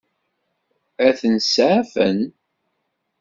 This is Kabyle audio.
Ad ten-seɛfen?